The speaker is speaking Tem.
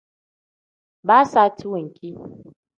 Baa saati wenki.